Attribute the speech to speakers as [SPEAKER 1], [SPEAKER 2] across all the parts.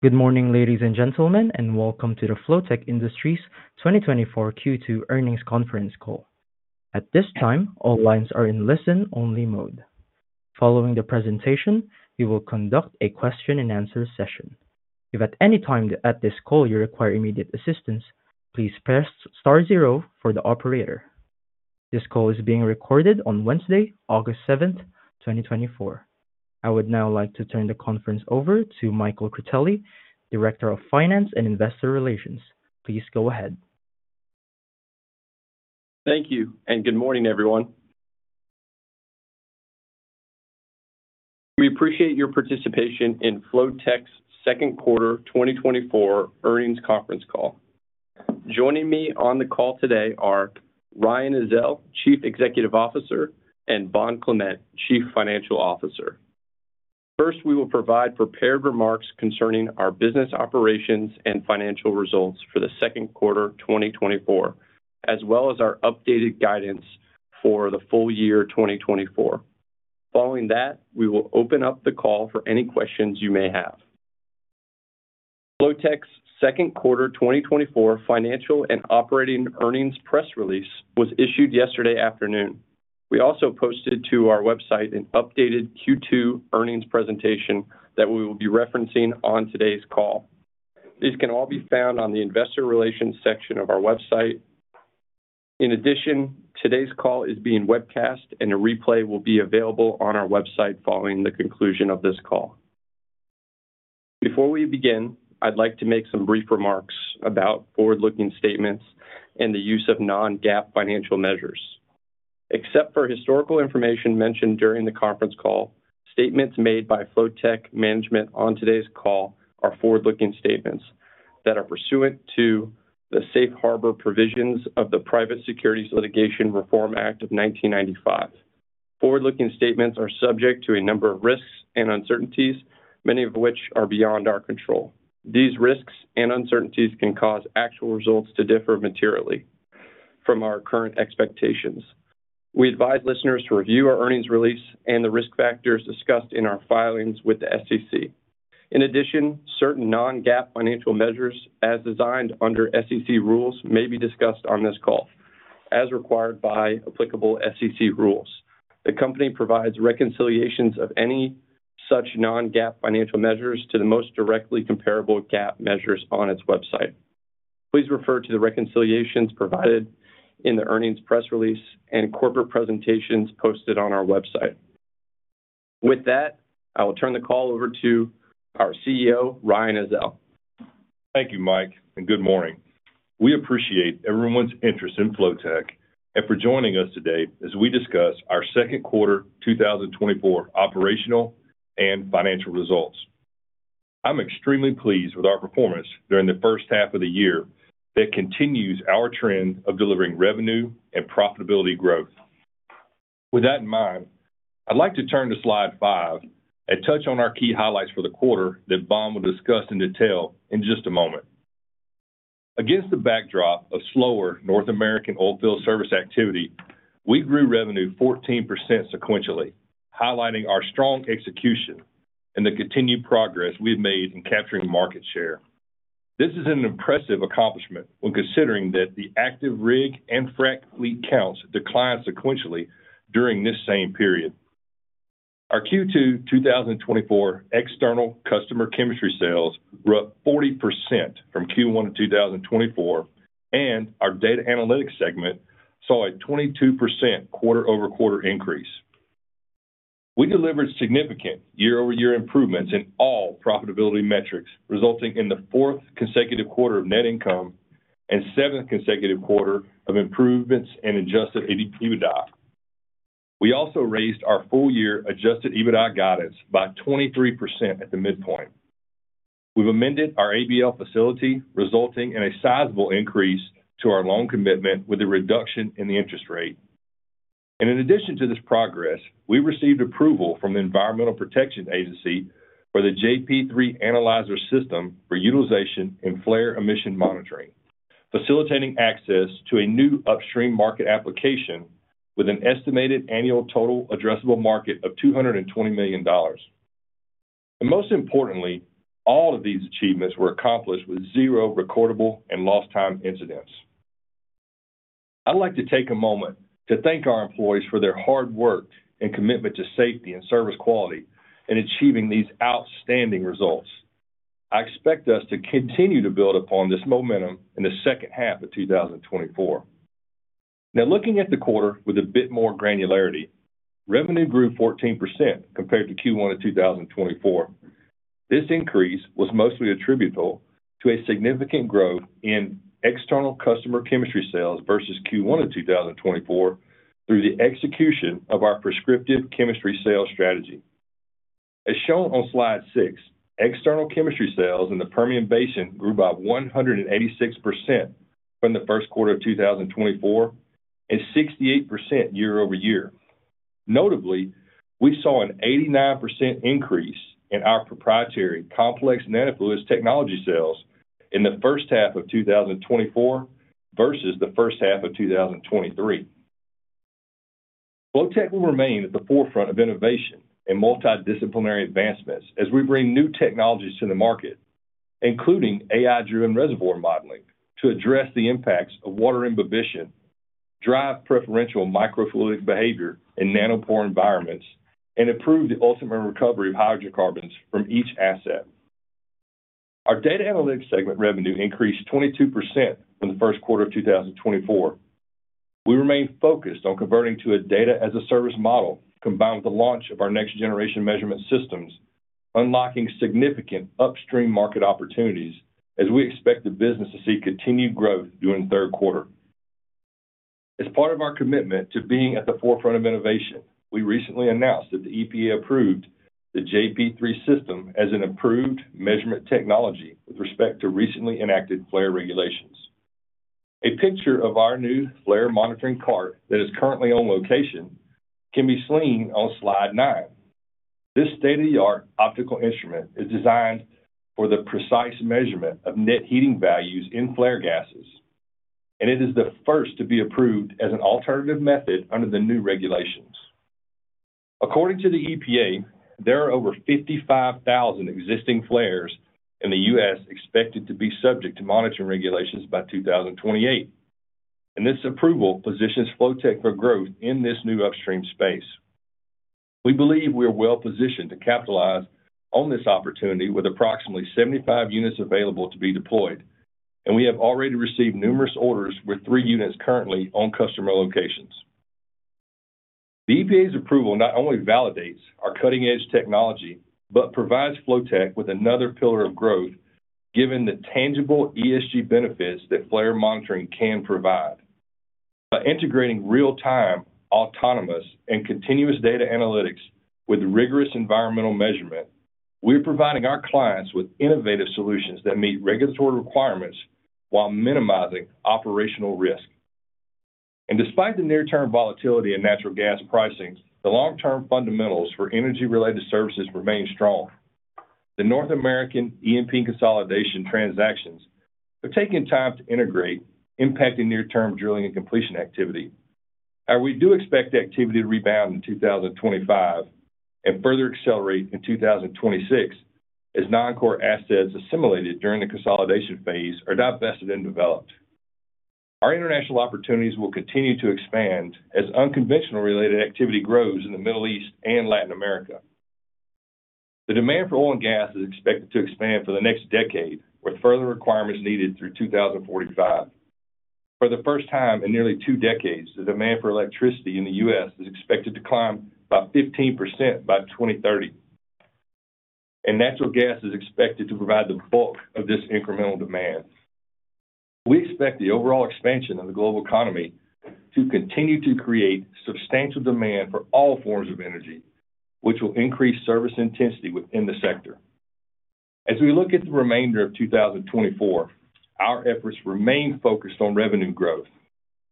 [SPEAKER 1] Good morning, ladies and gentlemen, and welcome to the Flotek Industries 2024 Q2 earnings conference call. At this time, all lines are in listen-only mode. Following the presentation, we will conduct a question-and-answer session. If at any time at this call you require immediate assistance, please press star zero for the operator. This call is being recorded on Wednesday, August seventh, 2024. I would now like to turn the conference over to Michael Critelli, Director of Finance and Investor Relations. Please go ahead.
[SPEAKER 2] Thank you, and good morning, everyone. We appreciate your participation in Flotek's second quarter 2024 earnings conference call. Joining me on the call today are Ryan Ezell, Chief Executive Officer, and Bond Clement, Chief Financial Officer. First, we will provide prepared remarks concerning our business operations and financial results for the second quarter 2024, as well as our updated guidance for the full year 2024. Following that, we will open up the call for any questions you may have. Flotek's second quarter 2024 financial and operating earnings press release was issued yesterday afternoon. We also posted to our website an updated Q2 earnings presentation that we will be referencing on today's call. These can all be found on the investor relations section of our website. In addition, today's call is being webcast, and a replay will be available on our website following the conclusion of this call. Before we begin, I'd like to make some brief remarks about forward-looking statements and the use of non-GAAP financial measures. Except for historical information mentioned during the conference call, statements made by Flotek management on today's call are forward-looking statements that are pursuant to the safe harbor provisions of the Private Securities Litigation Reform Act of 1995. Forward-looking statements are subject to a number of risks and uncertainties, many of which are beyond our control. These risks and uncertainties can cause actual results to differ materially from our current expectations. We advise listeners to review our earnings release and the risk factors discussed in our filings with the SEC. In addition, certain non-GAAP financial measures as designed under SEC rules may be discussed on this call as required by applicable SEC rules. The company provides reconciliations of any such non-GAAP financial measures to the most directly comparable GAAP measures on its website. Please refer to the reconciliations provided in the earnings press release and corporate presentations posted on our website. With that, I will turn the call over to our CEO, Ryan Ezell.
[SPEAKER 3] Thank you, Mike, and good morning. We appreciate everyone's interest in Flotek and for joining us today as we discuss our second quarter 2024 operational and financial results. I'm extremely pleased with our performance during the first half of the year that continues our trend of delivering revenue and profitability growth. With that in mind, I'd like to turn to slide 5 and touch on our key highlights for the quarter that Bond will discuss in detail in just a moment. Against the backdrop of slower North American oil field service activity, we grew revenue 14% sequentially, highlighting our strong execution and the continued progress we've made in capturing market share. This is an impressive accomplishment when considering that the active rig and frack fleet counts declined sequentially during this same period. Our Q2 2024 external customer chemistry sales were up 40% from Q1 of 2024, and our data analytics segment saw a 22% quarter-over-quarter increase. We delivered significant year-over-year improvements in all profitability metrics, resulting in the fourth consecutive quarter of net income and seventh consecutive quarter of improvements in adjusted EBITDA. We also raised our full-year adjusted EBITDA guidance by 23% at the midpoint. We've amended our ABL facility, resulting in a sizable increase to our loan commitment with a reduction in the interest rate. In addition to this progress, we received approval from the Environmental Protection Agency for the JP3 Analyzer system for utilization in flare emission monitoring, facilitating access to a new upstream market application with an estimated annual total addressable market of $220 million. Most importantly, all of these achievements were accomplished with zero recordable and lost time incidents. I'd like to take a moment to thank our employees for their hard work and commitment to safety and service quality in achieving these outstanding results. I expect us to continue to build upon this momentum in the second half of 2024. Now, looking at the quarter with a bit more granularity, revenue grew 14% compared to Q1 of 2024. This increase was mostly attributable to a significant growth in external customer chemistry sales versus Q1 of 2024 through the execution of our prescriptive chemistry sales strategy. As shown on slide six, external chemistry sales in the Permian Basin grew by 186% from the first quarter of 2024, and 68% year-over-year. Notably, we saw an 89% increase in our proprietary complex nanofluids technology sales in the first half of 2024 versus the first half of 2023. Flotek will remain at the forefront of innovation and multidisciplinary advancements as we bring new technologies to the market, including AI-driven reservoir modeling, to address the impacts of water imbibition, drive preferential microfluidic behavior in nanopore environments, and improve the ultimate recovery of hydrocarbons from each asset. Our data analytics segment revenue increased 22% from the first quarter of 2024. We remain focused on converting to a data-as-a-service model, combined with the launch of our next-generation measurement systems, unlocking significant upstream market opportunities as we expect the business to see continued growth during the third quarter. As part of our commitment to being at the forefront of innovation, we recently announced that the EPA approved the JP3 system as an approved measurement technology with respect to recently enacted flare regulations. A picture of our new flare monitoring cart that is currently on location can be seen on slide 9. This state-of-the-art optical instrument is designed for the precise measurement of net heating values in flare gases, and it is the first to be approved as an alternative method under the new regulations. According to the EPA, there are over 55,000 existing flares in the U.S. expected to be subject to monitoring regulations by 2028, and this approval positions Flotek for growth in this new upstream space. We believe we are well positioned to capitalize on this opportunity with approximately 75 units available to be deployed, and we have already received numerous orders, with three units currently on customer locations. The EPA's approval not only validates our cutting-edge technology, but provides Flotek with another pillar of growth, given the tangible ESG benefits that flare monitoring can provide. By integrating real-time, autonomous, and continuous data analytics with rigorous environmental measurement, we're providing our clients with innovative solutions that meet regulatory requirements while minimizing operational risk. Despite the near-term volatility in natural gas pricing, the long-term fundamentals for energy-related services remain strong. The North American E&P consolidation transactions are taking time to integrate, impacting near-term drilling and completion activity. We do expect activity to rebound in 2025 and further accelerate in 2026, as non-core assets assimilated during the consolidation phase are divested and developed. Our international opportunities will continue to expand as unconventional-related activity grows in the Middle East and Latin America. The demand for oil and gas is expected to expand for the next decade, with further requirements needed through 2045. For the first time in nearly two decades, the demand for electricity in the U.S. is expected to climb by 15% by 2030, and natural gas is expected to provide the bulk of this incremental demand. We expect the overall expansion of the global economy to continue to create substantial demand for all forms of energy, which will increase service intensity within the sector. As we look at the remainder of 2024, our efforts remain focused on revenue growth,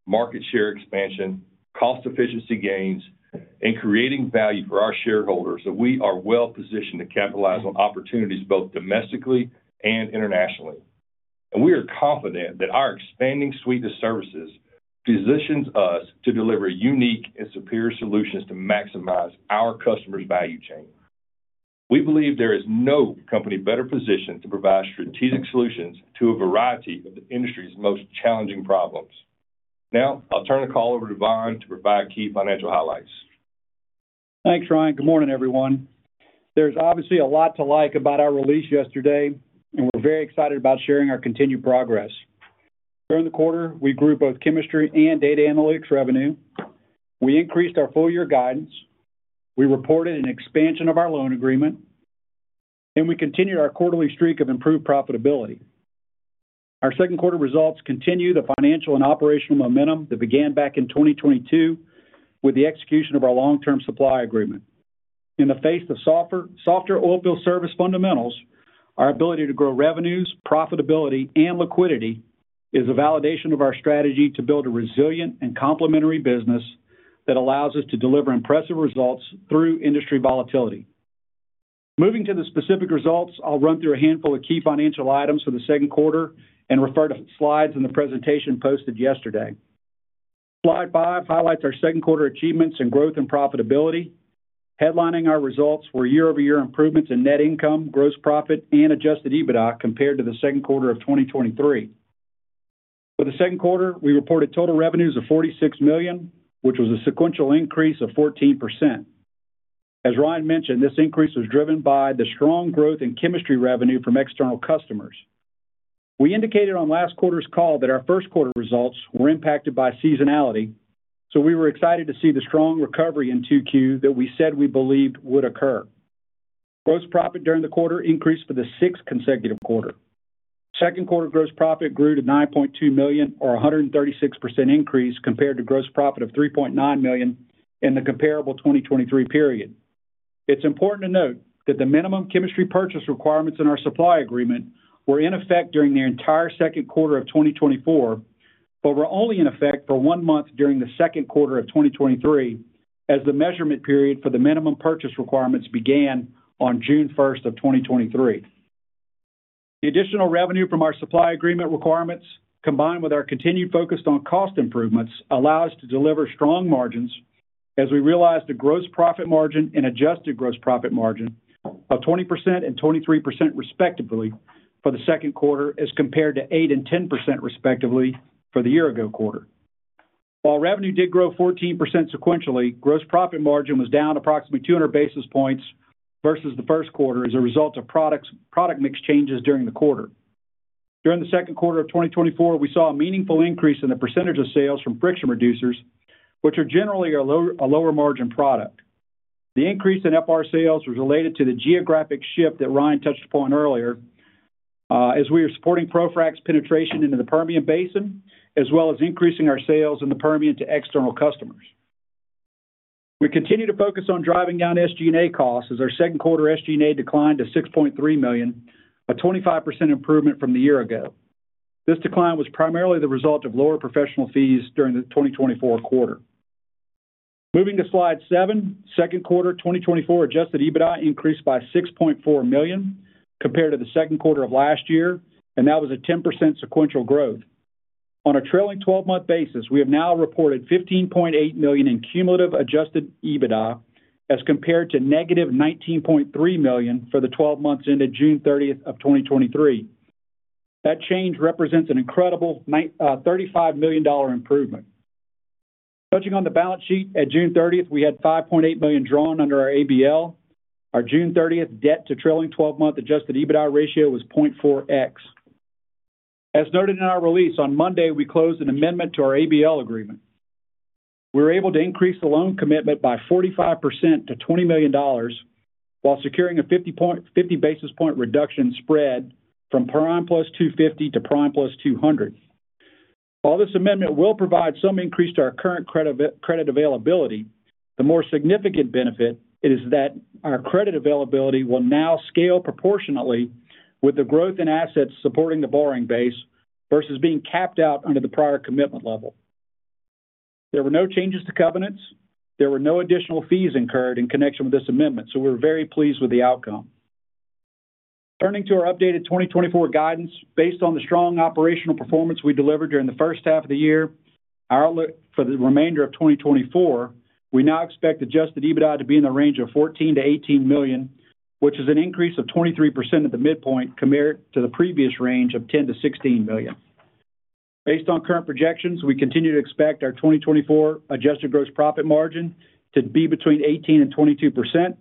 [SPEAKER 3] market share expansion, cost efficiency gains, and creating value for our shareholders, that we are well positioned to capitalize on opportunities both domestically and internationally. We are confident that our expanding suite of services positions us to deliver unique and superior solutions to maximize our customers' value chain. We believe there is no company better positioned to provide strategic solutions to a variety of the industry's most challenging problems. Now, I'll turn the call over to Bond to provide key financial highlights.
[SPEAKER 4] Thanks, Ryan. Good morning, everyone. There's obviously a lot to like about our release yesterday, and we're very excited about sharing our continued progress. During the quarter, we grew both chemistry and data analytics revenue, we increased our full-year guidance, we reported an expansion of our loan agreement, and we continued our quarterly streak of improved profitability. Our second quarter results continue the financial and operational momentum that began back in 2022 with the execution of our long-term supply agreement. In the face of softer oil field service fundamentals, our ability to grow revenues, profitability, and liquidity is a validation of our strategy to build a resilient and complementary business that allows us to deliver impressive results through industry volatility. Moving to the specific results, I'll run through a handful of key financial items for the second quarter and refer to slides in the presentation posted yesterday. Slide 5 highlights our second quarter achievements in growth and profitability. Headlining our results were year-over-year improvements in net income, gross profit, and adjusted EBITDA compared to the second quarter of 2023. For the second quarter, we reported total revenues of $46 million, which was a sequential increase of 14%. As Ryan mentioned, this increase was driven by the strong growth in chemistry revenue from external customers. We indicated on last quarter's call that our first quarter results were impacted by seasonality, so we were excited to see the strong recovery in 2Q that we said we believed would occur. Gross profit during the quarter increased for the sixth consecutive quarter. Second quarter gross profit grew to $9.2 million or 136% increase compared to gross profit of $3.9 million in the comparable 2023 period. It's important to note that the minimum chemistry purchase requirements in our supply agreement were in effect during the entire second quarter of 2024, but were only in effect for one month during the second quarter of 2023, as the measurement period for the minimum purchase requirements began on June first of 2023. The additional revenue from our supply agreement requirements, combined with our continued focus on cost improvements, allow us to deliver strong margins as we realized a gross profit margin and adjusted gross profit margin of 20% and 23%, respectively, for the second quarter as compared to 8% and 10%, respectively, for the year ago quarter. While revenue did grow 14% sequentially, gross profit margin was down approximately 200 basis points versus the first quarter as a result of product mix changes during the quarter. During the second quarter of 2024, we saw a meaningful increase in the percentage of sales from friction reducers, which are generally a lower, a lower margin product. The increase in FR sales was related to the geographic shift that Ryan touched upon earlier, as we are supporting ProFrac's penetration into the Permian Basin, as well as increasing our sales in the Permian to external customers. We continue to focus on driving down SG&A costs, as our second quarter SG&A declined to $6.3 million, a 25% improvement from the year ago. This decline was primarily the result of lower professional fees during the 2024 quarter. Moving to slide 7. Second quarter, 2024 adjusted EBITDA increased by $6.4 million compared to the second quarter of last year, and that was a 10% sequential growth. On a trailing twelve-month basis, we have now reported $15.8 million in cumulative adjusted EBITDA, as compared to -$19.3 million for the twelve months ended June 30, 2023. That change represents an incredible $35 million improvement. Touching on the balance sheet, at June 30, we had $5.8 million drawn under our ABL. Our June 30 debt to trailing twelve-month adjusted EBITDA ratio was 0.4x. As noted in our release, on Monday, we closed an amendment to our ABL agreement. We were able to increase the loan commitment by 45% to $20 million, while securing a fifty basis point reduction spread from prime plus 250 to prime plus 200. While this amendment will provide some increase to our current credit availability, the more significant benefit is that our credit availability will now scale proportionately with the growth in assets supporting the borrowing base versus being capped out under the prior commitment level. There were no changes to covenants. There were no additional fees incurred in connection with this amendment, so we're very pleased with the outcome. Turning to our updated 2024 guidance. Based on the strong operational performance we delivered during the first half of the year, our outlook for the remainder of 2024, we now expect Adjusted EBITDA to be in the range of $14 million-$18 million, which is an increase of 23% at the midpoint compared to the previous range of $10 million-$16 million. Based on current projections, we continue to expect our 2024 adjusted gross profit margin to be between 18% and 22%,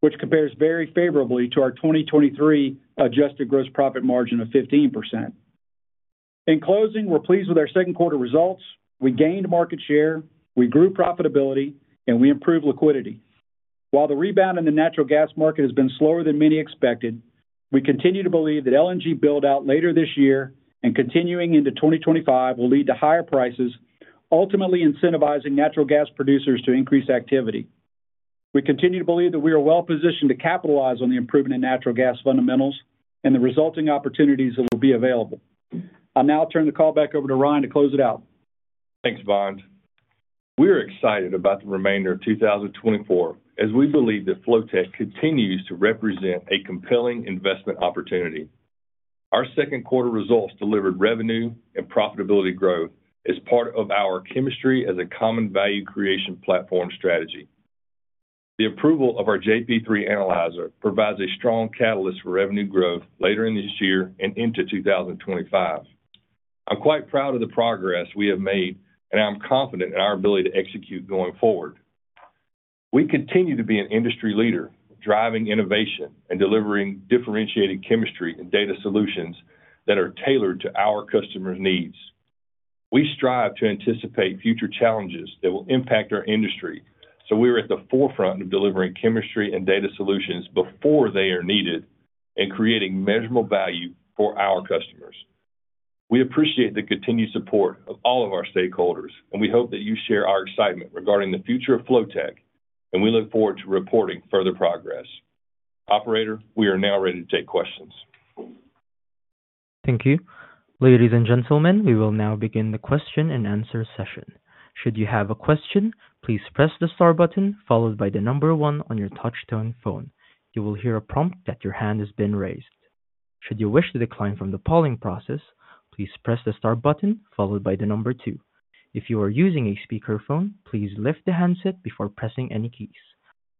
[SPEAKER 4] which compares very favorably to our 2023 adjusted gross profit margin of 15%. In closing, we're pleased with our second quarter results. We gained market share, we grew profitability, and we improved liquidity. While the rebound in the natural gas market has been slower than many expected, we continue to believe that LNG build-out later this year and continuing into 2025, will lead to higher prices, ultimately incentivizing natural gas producers to increase activity. We continue to believe that we are well positioned to capitalize on the improvement in natural gas fundamentals and the resulting opportunities that will be available. I'll now turn the call back over to Ryan to close it out.
[SPEAKER 3] Thanks, Bond. We're excited about the remainder of 2024, as we believe that Flotek continues to represent a compelling investment opportunity. Our second quarter results delivered revenue and profitability growth as part of our chemistry as a common value creation platform strategy. The approval of our JP3 Analyzer provides a strong catalyst for revenue growth later in this year and into 2025. I'm quite proud of the progress we have made, and I'm confident in our ability to execute going forward. We continue to be an industry leader, driving innovation and delivering differentiated chemistry and data solutions that are tailored to our customers' needs. We strive to anticipate future challenges that will impact our industry, so we are at the forefront of delivering chemistry and data solutions before they are needed and creating measurable value for our customers. We appreciate the continued support of all of our stakeholders, and we hope that you share our excitement regarding the future of Flotek, and we look forward to reporting further progress. Operator, we are now ready to take questions.
[SPEAKER 1] Thank you. Ladies and gentlemen, we will now begin the question-and-answer session. Should you have a question, please press the star button followed by the number one on your touchtone phone. You will hear a prompt that your hand has been raised. Should you wish to decline from the polling process, please press the star button followed by the number two. If you are using a speakerphone, please lift the handset before pressing any keys.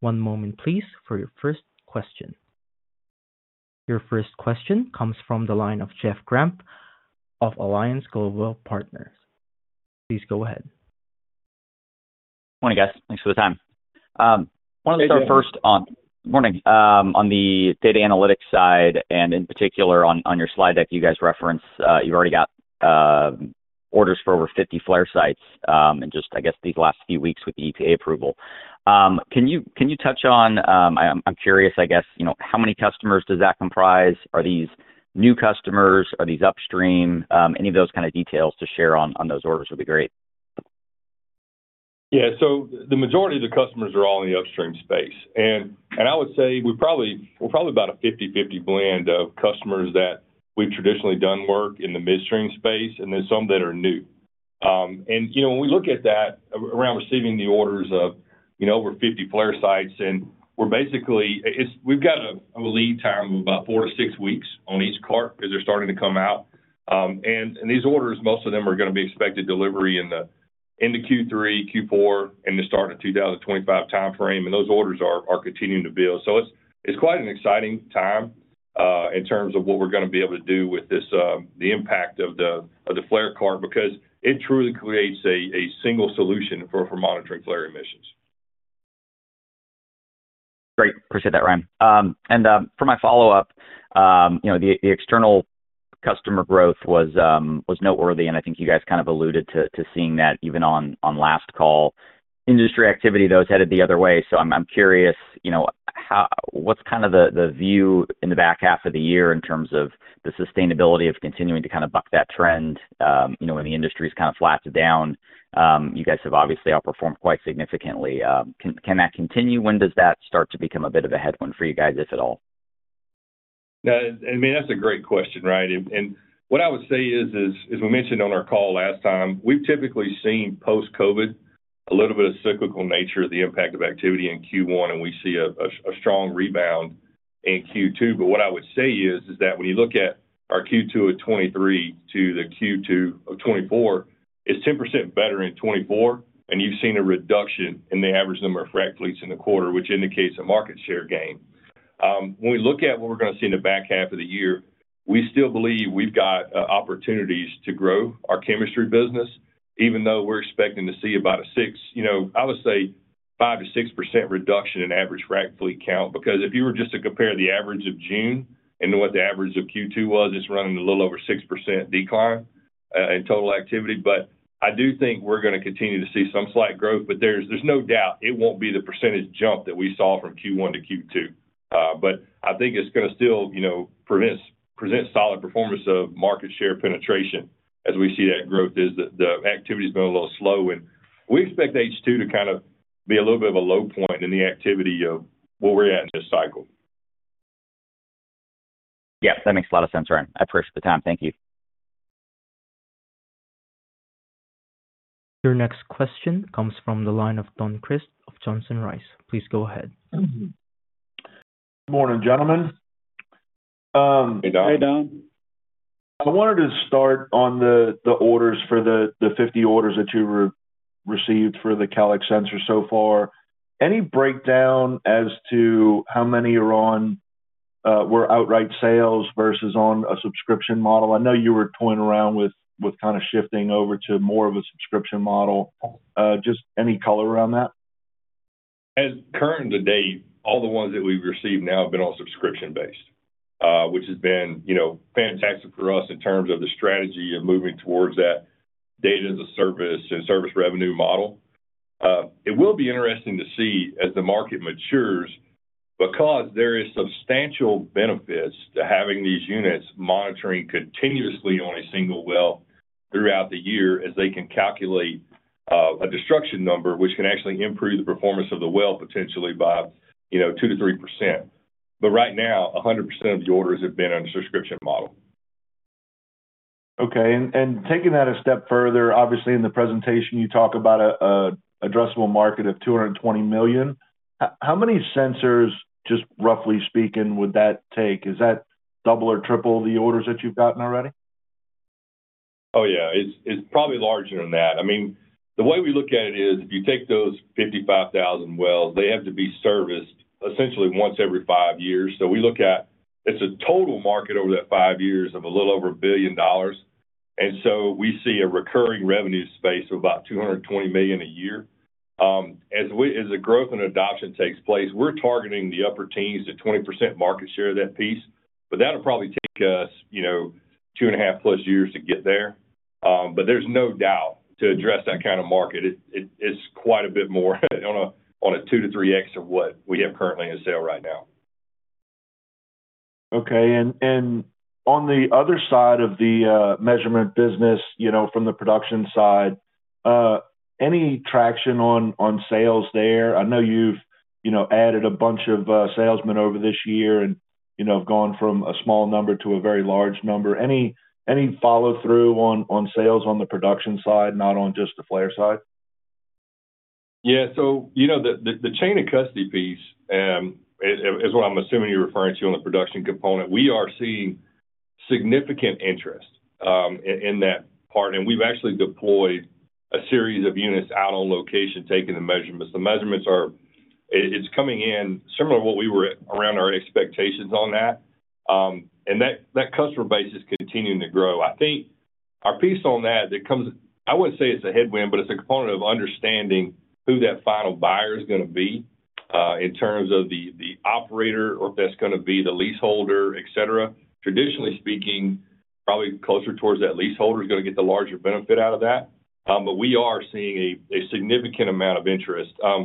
[SPEAKER 1] One moment, please, for your first question. Your first question comes from the line of Jeff Grampp of Alliance Global Partners. Please go ahead.
[SPEAKER 5] Morning, guys. Thanks for the time. I wanted to start first on-
[SPEAKER 3] Good morning.
[SPEAKER 5] Morning. On the data analytics side, and in particular, on your slide deck, you guys reference, you've already got orders for over 50 flare sites, in just, I guess, these last few weeks with the EPA approval. Can you touch on... I'm curious, I guess, you know, how many customers does that comprise? Are these new customers? Are these upstream? Any of those kind of details to share on those orders would be great.
[SPEAKER 3] Yeah. So the majority of the customers are all in the upstream space. And I would say we're probably—we're probably about a 50/50 blend of customers that we've traditionally done work in the midstream space, and then some that are new. And, you know, when we look at that around receiving the orders of, you know, over 50 flare sites, and we're basically—it's, we've got a lead time of about 4-6 weeks on each cart because they're starting to come out. And these orders, most of them are gonna be expected delivery in the Q3, Q4, and the start of 2025 timeframe, and those orders are continuing to build. So it's quite an exciting time in terms of what we're gonna be able to do with this, the impact of the flare cart, because it truly creates a single solution for monitoring flare emissions.
[SPEAKER 5] Great. Appreciate that, Ryan. And for my follow-up, you know, the external customer growth was noteworthy, and I think you guys kind of alluded to seeing that even on last call. Industry activity, though, is headed the other way, so I'm curious, you know, how—what's kind of the view in the back half of the year in terms of the sustainability of continuing to kind of buck that trend? You know, when the industry's kind of flattened down, you guys have obviously outperformed quite significantly. Can that continue? When does that start to become a bit of a headwind for you guys, if at all?
[SPEAKER 3] Yeah, I mean, that's a great question, right? And what I would say is, as we mentioned on our call last time, we've typically seen post-COVID, a little bit of cyclical nature of the impact of activity in Q1, and we see a strong rebound in Q2. But what I would say is that when you look at our Q2 of 2023 to the Q2 of 2024, it's 10% better in 2024, and you've seen a reduction in the average number of frac fleets in the quarter, which indicates a market share gain. When we look at what we're gonna see in the back half of the year, we still believe we've got opportunities to grow our chemistry business, even though we're expecting to see about a six... You know, I would say 5%-6% reduction in average frac fleet count. Because if you were just to compare the average of June and what the average of Q2 was, it's running a little over 6% decline in total activity. But I do think we're gonna continue to see some slight growth, but there's no doubt it won't be the percentage jump that we saw from Q1 to Q2. But I think it's gonna still, you know, present solid performance of market share penetration as we see that growth is the activity's been a little slow, and we expect H2 to kind of be a little bit of a low point in the activity of where we're at in this cycle.
[SPEAKER 5] Yeah, that makes a lot of sense, Ryan. I appreciate the time. Thank you.
[SPEAKER 1] Your next question comes from the line of Don Crist of Johnson Rice. Please go ahead.
[SPEAKER 6] Good morning, gentlemen.
[SPEAKER 3] Hey, Don.
[SPEAKER 4] Hey, Don.
[SPEAKER 6] So I wanted to start on the orders for the 50 orders that you received for the CAL-X sensor so far. Any breakdown as to how many were outright sales versus on a subscription model? I know you were toying around with kind of shifting over to more of a subscription model. Just any color around that?
[SPEAKER 3] As current to date, all the ones that we've received now have been on subscription-based, which has been, you know, fantastic for us in terms of the strategy and moving towards that data as a service and service revenue model. It will be interesting to see as the market matures, because there is substantial benefits to having these units monitoring continuously on a single well throughout the year, as they can calculate a destruction number, which can actually improve the performance of the well, potentially by, you know, 2%-3%. But right now, 100% of the orders have been on a subscription model.
[SPEAKER 6] Okay. And taking that a step further, obviously, in the presentation, you talk about an addressable market of $220 million. How many sensors, just roughly speaking, would that take? Is that double or triple the orders that you've gotten already?
[SPEAKER 3] Oh, yeah, it's, it's probably larger than that. I mean, the way we look at it is, if you take those 55,000 wells, they have to be serviced essentially once every five years. So we look at, it's a total market over that five years of a little over $1 billion, and so we see a recurring revenue space of about $220 million a year. As the growth and adoption takes place, we're targeting the 15%-20% market share of that piece, but that'll probably take us, you know, 2.5+ years to get there. But there's no doubt, to address that kind of market, it, it's quite a bit more on a, on a 2-3x of what we have currently in sale right now.
[SPEAKER 6] Okay. And on the other side of the measurement business, you know, from the production side, any traction on sales there? I know you've, you know, added a bunch of salesmen over this year and, you know, have gone from a small number to a very large number. Any follow-through on sales on the production side, not on just the flare side?
[SPEAKER 3] Yeah. So, you know, the chain of custody piece is what I'm assuming you're referring to on the production component. We are seeing significant interest in that part, and we've actually deployed a series of units out on location, taking the measurements. The measurements are... it's coming in similar to what we were at around our expectations on that. And that customer base is continuing to grow. I think our piece on that comes-- I wouldn't say it's a headwind, but it's a component of understanding who that final buyer is gonna be in terms of the operator or if that's gonna be the leaseholder, et cetera. Traditionally speaking, probably closer towards that leaseholder is gonna get the larger benefit out of that. But we are seeing a significant amount of interest. The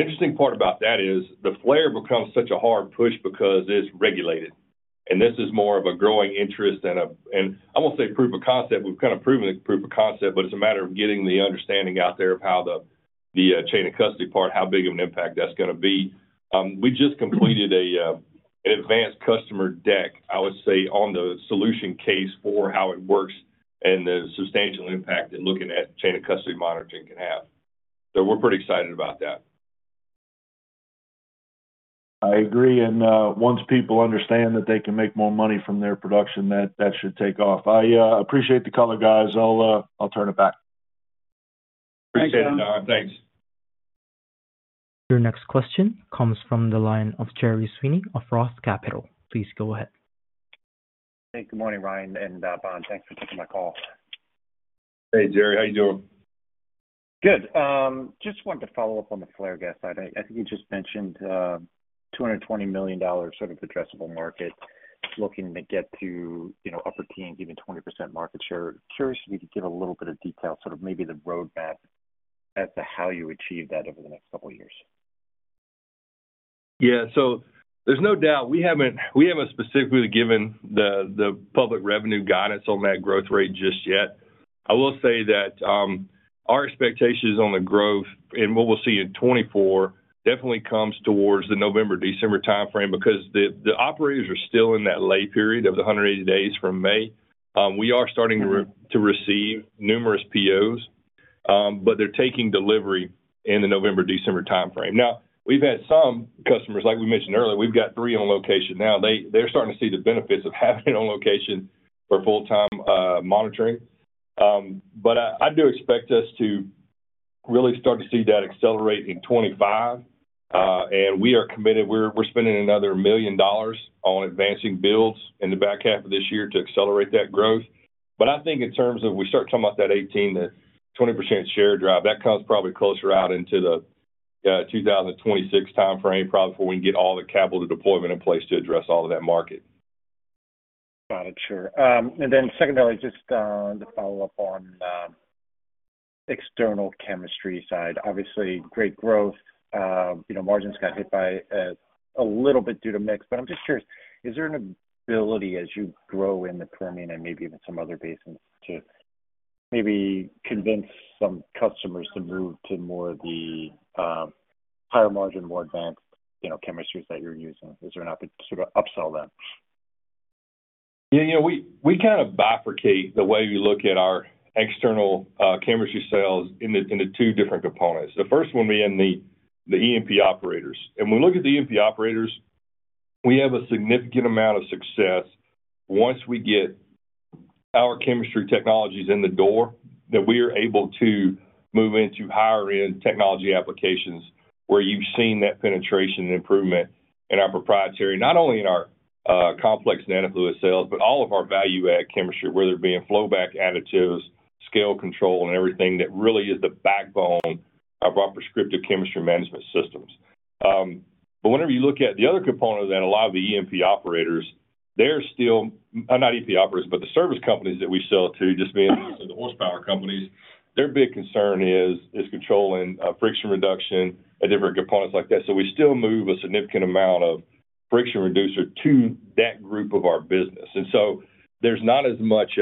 [SPEAKER 3] interesting part about that is, the flare becomes such a hard push because it's regulated, and this is more of a growing interest than a... And I won't say proof of concept. We've kind of proven it's proof of concept, but it's a matter of getting the understanding out there of how the chain of custody part, how big of an impact that's gonna be. We just completed an advanced customer deck, I would say, on the solution case for how it works and the substantial impact in looking at chain of custody monitoring can have. So we're pretty excited about that.
[SPEAKER 6] I agree, and once people understand that they can make more money from their production, that should take off. I appreciate the color, guys. I'll turn it back.
[SPEAKER 3] Appreciate it, Don. Thanks.
[SPEAKER 1] Your next question comes from the line of Gerry Sweeney of Roth Capital. Please go ahead.
[SPEAKER 7] Hey, good morning, Ryan and Don. Thanks for taking my call.
[SPEAKER 3] Hey, Gerry. How you doing?
[SPEAKER 7] Good. Just wanted to follow up on the flare gas side. I think you just mentioned $220 million sort of addressable market looking to get to, you know, upper teens, even 20% market share. Curious if you could give a little bit of detail, sort of maybe the roadmap as to how you achieve that over the next couple of years.
[SPEAKER 3] Yeah. So there's no doubt we haven't specifically given the public revenue guidance on that growth rate just yet. I will say that our expectations on the growth and what we'll see in 2024 definitely comes towards the November, December timeframe because the operators are still in that lay period of the 180 days from May. We are starting to receive numerous POs, but they're taking delivery in the November, December timeframe. Now, we've had some customers, like we mentioned earlier, we've got three on location now. They're starting to see the benefits of having it on location for full-time monitoring. But I do expect us to really start to see that accelerate in 2025, and we are committed. We're spending another $1 million on advancing builds in the back half of this year to accelerate that growth. But I think in terms of we start talking about that 18%-20% share drive, that comes probably closer out into the 2026 timeframe, probably before we can get all the capital deployment in place to address all of that market.
[SPEAKER 7] Got it. Sure. And then secondly, just to follow up on external chemistry side, obviously great growth. You know, margins got hit by a little bit due to mix, but I'm just curious, is there an ability as you grow in the Permian and maybe even some other basins, to maybe convince some customers to move to more of the higher margin, more advanced, you know, chemistries that you're using? Is there an opportunity to sort of upsell them?
[SPEAKER 3] Yeah, you know, we, we kind of bifurcate the way we look at our external chemistry sales into, into two different components. The first one being the, the E&P operators. And when we look at the E&P operators, we have a significant amount of success once we get our chemistry technologies in the door, that we are able to move into higher-end technology applications, where you've seen that penetration and improvement in our proprietary, not only in our complex nanofluid sales, but all of our value-add chemistry, whether it be in flowback additives, scale control, and everything that really is the backbone of our prescriptive chemistry management systems. But whenever you look at the other component of that, a lot of the E&P operators, they're still... Not E&P operators, but the service companies that we sell to, just being the horsepower companies, their big concern is controlling friction reduction and different components like that. So we still move a significant amount of friction reducer to that group of our business. And so there's not as much,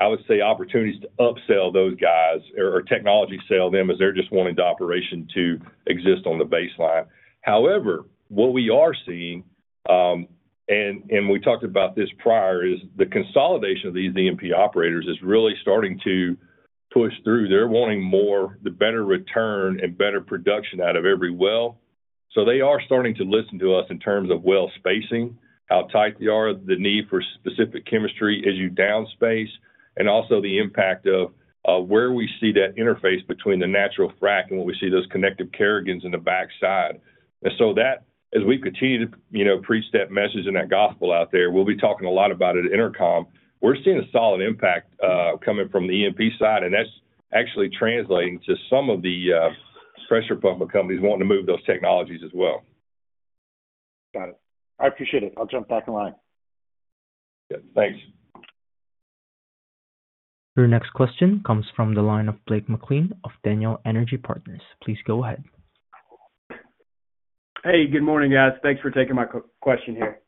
[SPEAKER 3] I would say, opportunities to upsell those guys or technology sell them, as they're just wanting the operation to exist on the baseline. However, what we are seeing, and we talked about this prior, is the consolidation of these E&P operators is really starting to push through. They're wanting more, the better return and better production out of every well. So they are starting to listen to us in terms of well spacing, how tight they are, the need for specific chemistry as you down space, and also the impact of where we see that interface between the natural frack and what we see those connective kerogens in the backside. And so that, as we continue to, you know, preach that message and that gospel out there, we'll be talking a lot about it at EnerCom. We're seeing a solid impact coming from the E&P side, and that's actually translating to some of the major public companies wanting to move those technologies as well.
[SPEAKER 7] Got it. I appreciate it. I'll jump back in line.
[SPEAKER 3] Good. Thanks.
[SPEAKER 1] Your next question comes from the line of Blake McLean of Daniel Energy Partners. Please go ahead.
[SPEAKER 8] Hey, good morning, guys. Thanks for taking my question here.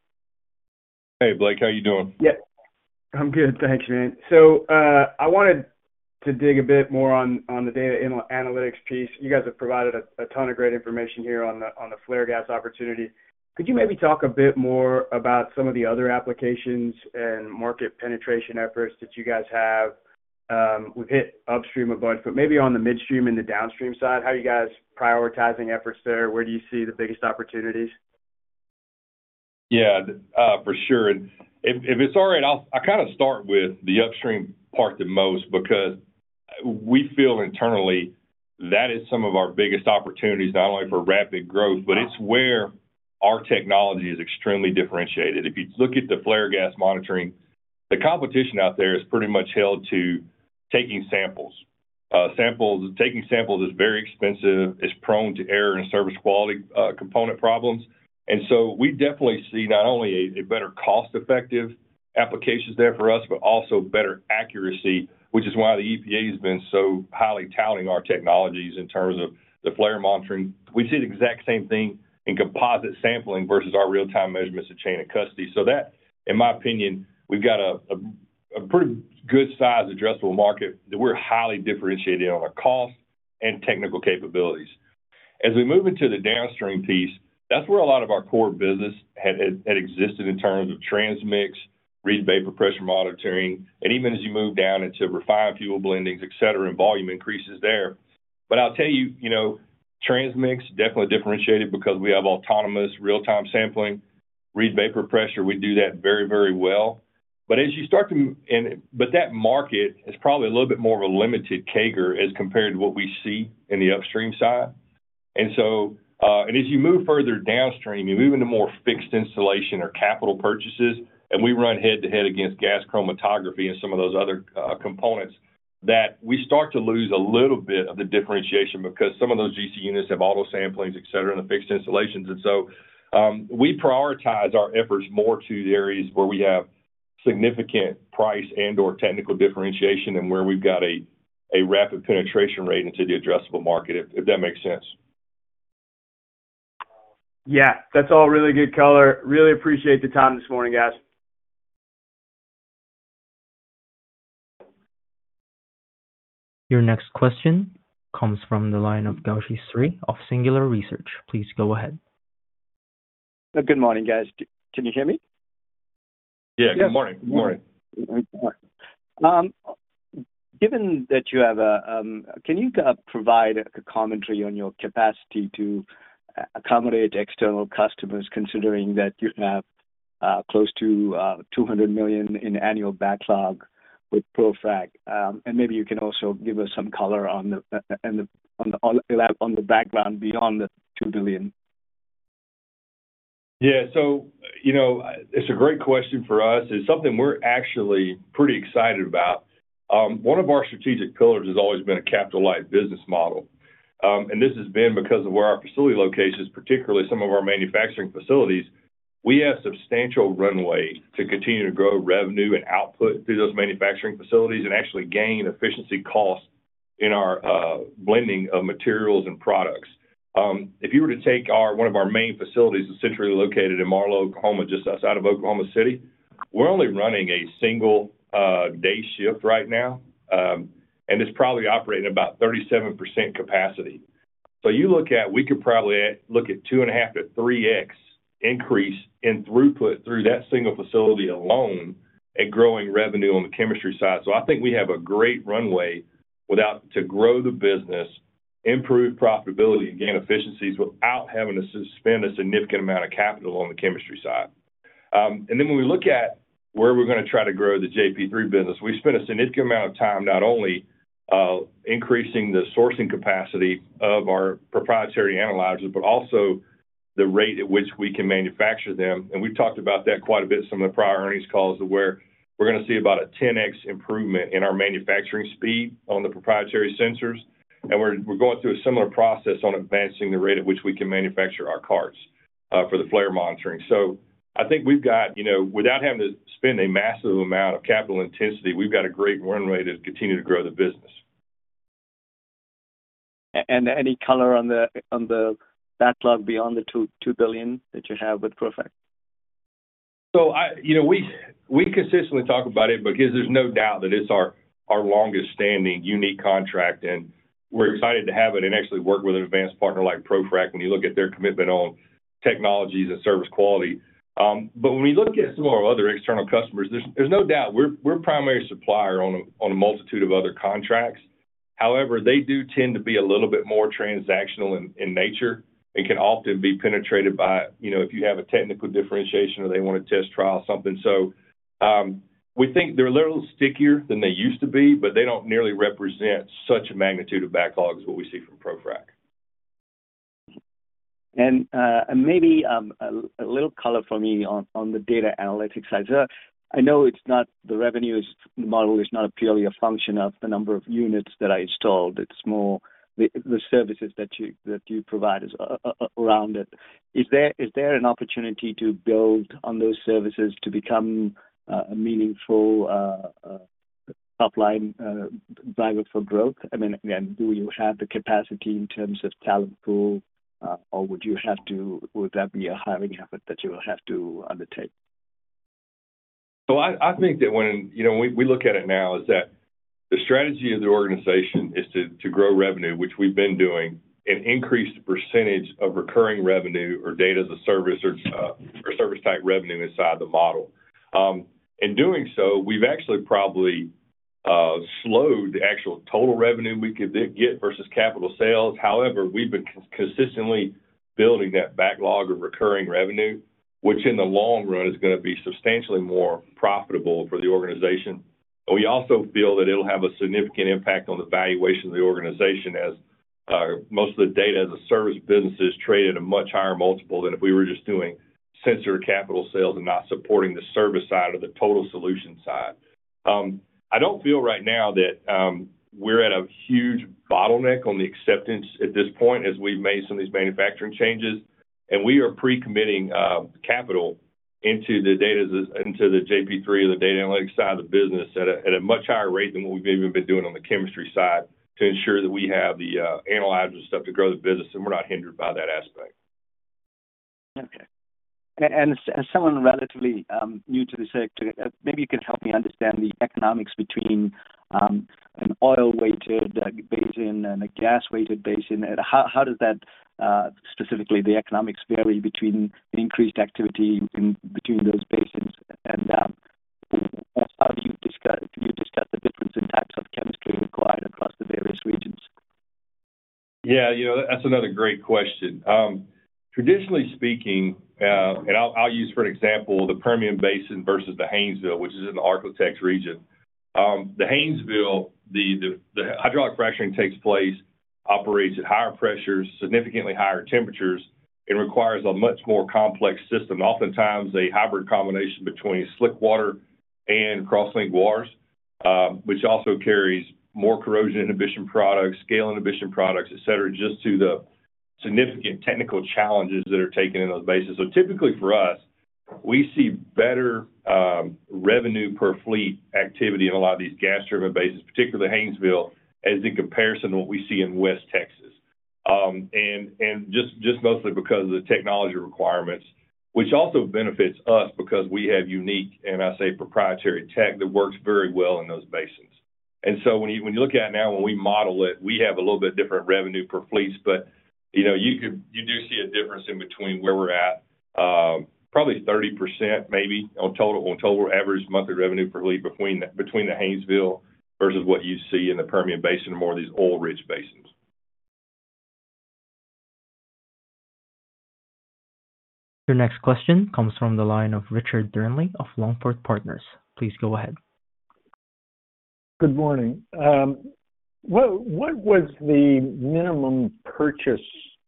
[SPEAKER 3] Hey, Blake. How you doing?
[SPEAKER 8] Yeah, I'm good. Thanks, man. So, I wanted to dig a bit more on the data analytics piece. You guys have provided a ton of great information here on the flare gas opportunity. Could you maybe talk a bit more about some of the other applications and market penetration efforts that you guys have? We've hit upstream a bunch, but maybe on the midstream and the downstream side, how are you guys prioritizing efforts there? Where do you see the biggest opportunities?
[SPEAKER 3] Yeah, for sure. If it's all right, I'll kind of start with the upstream part the most, because we feel internally, that is some of our biggest opportunities, not only for rapid growth, but it's where our technology is extremely differentiated. If you look at the flare gas monitoring, the competition out there is pretty much held to taking samples. Taking samples is very expensive, it's prone to error and service quality, component problems. And so we definitely see not only a better cost-effective applications there for us, but also better accuracy, which is why the EPA has been so highly touting our technologies in terms of the flare monitoring. We see the exact same thing in composite sampling versus our real-time measurements of chain of custody. So that, in my opinion, we've got a... A pretty good size addressable market that we're highly differentiated on our cost and technical capabilities. As we move into the downstream piece, that's where a lot of our core business had existed in terms of TransMix, Reid Vapor Pressure monitoring, and even as you move down into refined fuel blendings, et cetera, and volume increases there. But I'll tell you, you know, TransMix definitely differentiated because we have autonomous real-time sampling. Reid Vapor Pressure, we do that very, very well. But that market is probably a little bit more of a limited CAGR as compared to what we see in the upstream side. And so, and as you move further downstream, you move into more fixed installation or capital purchases, and we run head-to-head against gas chromatography and some of those other, components, that we start to lose a little bit of the differentiation because some of those GC units have auto samplings, et cetera, in the fixed installations. And so, we prioritize our efforts more to the areas where we have significant price and/or technical differentiation and where we've got a rapid penetration rate into the addressable market, if that makes sense.
[SPEAKER 8] Yeah, that's all really good color. Really appreciate the time this morning, guys.
[SPEAKER 1] Your next question comes from the line of Gowshi Sri of Singular Research. Please go ahead.
[SPEAKER 9] Good morning, guys. Can you hear me?
[SPEAKER 3] Yeah. Good morning.
[SPEAKER 4] Good morning.
[SPEAKER 9] Given that you have a, can you provide a commentary on your capacity to accommodate external customers, considering that you have close to $200 million in annual backlog with ProFrac? And maybe you can also give us some color on the background beyond the $2 billion.
[SPEAKER 3] Yeah. So, you know, it's a great question for us. It's something we're actually pretty excited about. One of our strategic pillars has always been a capital-light business model. And this has been because of where our facility locations, particularly some of our manufacturing facilities, we have substantial runway to continue to grow revenue and output through those manufacturing facilities and actually gain efficiency costs in our blending of materials and products. If you were to take one of our main facilities, essentially located in Marlow, Oklahoma, just outside of Oklahoma City, we're only running a single day shift right now, and it's probably operating about 37% capacity. So you look at we could probably look at 2.5-3x increase in throughput through that single facility alone and growing revenue on the chemistry side. I think we have a great runway without to grow the business, improve profitability and gain efficiencies without having to spend a significant amount of capital on the chemistry side. Then when we look at where we're gonna try to grow the JP3 business, we spent a significant amount of time not only increasing the sourcing capacity of our proprietary analyzers, but also the rate at which we can manufacture them. We've talked about that quite a bit in some of the prior earnings calls, of where we're gonna see about a 10x improvement in our manufacturing speed on the proprietary sensors. We're going through a similar process on advancing the rate at which we can manufacture our carts for the flare monitoring. I think we've got, you know, without having to spend a massive amount of capital intensity, we've got a great runway to continue to grow the business.
[SPEAKER 9] And any color on the backlog beyond the $2 billion that you have with ProFrac?
[SPEAKER 3] You know, we, we consistently talk about it because there's no doubt that it's our, our longest-standing unique contract, and we're excited to have it and actually work with an advanced partner like ProFrac, when you look at their commitment on technologies and service quality. But when we look at some of our other external customers, there's, there's no doubt we're, we're a primary supplier on a, on a multitude of other contracts. However, they do tend to be a little bit more transactional in, in nature and can often be penetrated by, you know, if you have a technical differentiation or they want to test trial something. So, we think they're a little stickier than they used to be, but they don't nearly represent such a magnitude of backlogs, what we see from ProFrac.
[SPEAKER 9] And maybe a little color for me on the data analytics side. I know it's not the revenue model is not purely a function of the number of units that are installed. It's more the services that you provide around it. Is there an opportunity to build on those services to become a meaningful top-line driver for growth? I mean, again, do you have the capacity in terms of talent pool, or would you have to, would that be a hiring effort that you will have to undertake?
[SPEAKER 3] So I think that when, you know, we look at it now, is that the strategy of the organization is to grow revenue, which we've been doing, and increase the percentage of recurring revenue or data as a service or service type revenue inside the model. In doing so, we've actually probably slowed the actual total revenue we could get versus capital sales. However, we've been consistently building that backlog of recurring revenue, which in the long run, is gonna be substantially more profitable for the organization. But we also feel that it'll have a significant impact on the valuation of the organization, as most of the data as a service business is traded at a much higher multiple than if we were just doing sensor capital sales and not supporting the service side or the total solution side. I don't feel right now that we're at a huge bottleneck on the acceptance at this point as we've made some of these manufacturing changes. We are pre-committing capital into the data as into the JP3 or the data analytics side of the business at a much higher rate than what we've even been doing on the chemistry side, to ensure that we have the analyzers and stuff to grow the business, and we're not hindered by that aspect....
[SPEAKER 9] Okay. And as someone relatively new to the sector, maybe you can help me understand the economics between an oil-weighted basin and a gas-weighted basin. And how does that, specifically, the economics vary between the increased activity in between those basins? And how do you discuss the difference in types of chemistry required across the various regions?
[SPEAKER 3] Yeah, you know, that's another great question. Traditionally speaking, and I'll use, for an example, the Permian Basin versus the Haynesville, which is in the Ark-La-Tex region. The Haynesville, the hydraulic fracturing takes place, operates at higher pressures, significantly higher temperatures, and requires a much more complex system. Oftentimes a hybrid combination between slick water and crosslink waters, which also carries more corrosion inhibition products, scale inhibition products, et cetera, just to the significant technical challenges that are taken in those basins. So typically for us, we see better, revenue per fleet activity in a lot of these gas-driven basins, particularly Haynesville, as in comparison to what we see in West Texas. Just mostly because of the technology requirements, which also benefits us because we have unique, and I say proprietary tech, that works very well in those basins. And so when you look at it now, when we model it, we have a little bit different revenue per fleets, but, you know, you could, you do see a difference in between where we're at, probably 30% maybe on total average monthly revenue per fleet between the Haynesville versus what you see in the Permian Basin or more of these oil-rich basins.
[SPEAKER 1] Your next question comes from the line of Richard Dearnley of Longford Partners. Please go ahead.
[SPEAKER 10] Good morning. What was the minimum purchase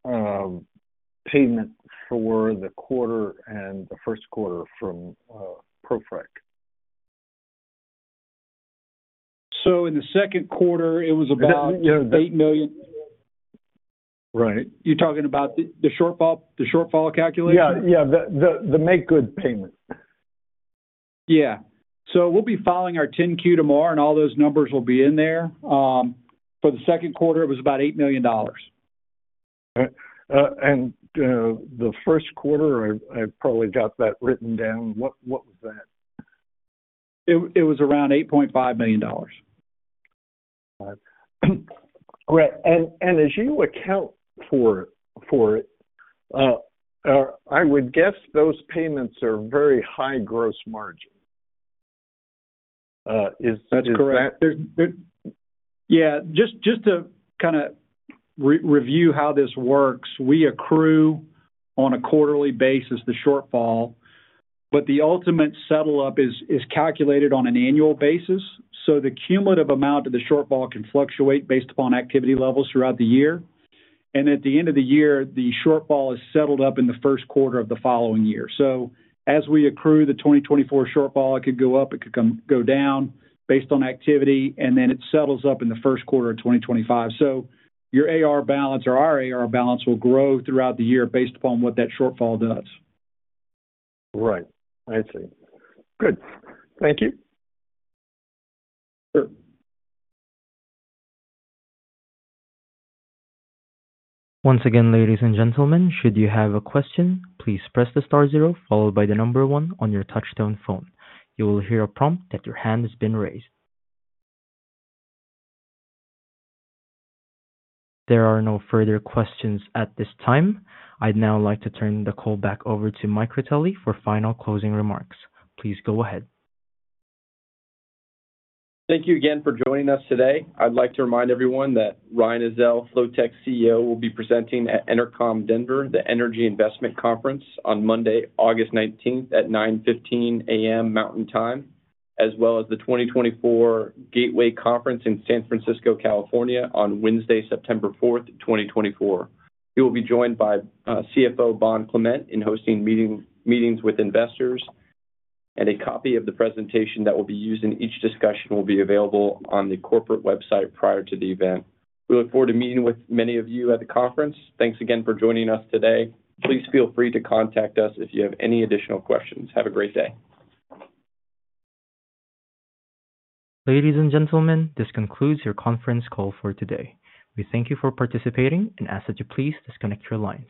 [SPEAKER 10] payment for the quarter and the first quarter from ProFrac?
[SPEAKER 4] In the second quarter, it was about $8 million.
[SPEAKER 10] Right.
[SPEAKER 4] You're talking about the shortfall calculation?
[SPEAKER 10] Yeah. Yeah, the make-good payment.
[SPEAKER 4] Yeah. So we'll be filing our 10-Q tomorrow, and all those numbers will be in there. For the second quarter, it was about $8 million.
[SPEAKER 10] And the first quarter, I probably got that written down. What was that?
[SPEAKER 4] It was around $8.5 million.
[SPEAKER 10] All right. As you account for it, I would guess those payments are very high gross margin. Is that correct?
[SPEAKER 4] That's correct. Yeah, just to kinda re-review how this works, we accrue on a quarterly basis the shortfall, but the ultimate settle-up is calculated on an annual basis, so the cumulative amount of the shortfall can fluctuate based upon activity levels throughout the year. At the end of the year, the shortfall is settled up in the first quarter of the following year. So as we accrue the 2024 shortfall, it could go up, it could go down based on activity, and then it settles up in the first quarter of 2025. So your AR balance or our AR balance will grow throughout the year based upon what that shortfall does.
[SPEAKER 10] Right. I see. Good. Thank you.
[SPEAKER 4] Sure.
[SPEAKER 1] Once again, ladies and gentlemen, should you have a question, please press the star zero followed by the number one on your touchtone phone. You will hear a prompt that your hand has been raised. There are no further questions at this time. I'd now like to turn the call back over to Mike Critelli for final closing remarks. Please go ahead.
[SPEAKER 2] Thank you again for joining us today. I'd like to remind everyone that Ryan Ezell, Flotek's CEO, will be presenting at EnerCom Denver, the Energy Investment Conference on Monday, August 19th at 9:15 A.M. Mountain Time, as well as the 2024 Gateway Conference in San Francisco, California, on Wednesday, September 4th, 2024. He will be joined by CFO Bond Clement in hosting meetings with investors, and a copy of the presentation that will be used in each discussion will be available on the corporate website prior to the event. We look forward to meeting with many of you at the conference. Thanks again for joining us today. Please feel free to contact us if you have any additional questions. Have a great day.
[SPEAKER 1] Ladies and gentlemen, this concludes your conference call for today. We thank you for participating and ask that you please disconnect your lines.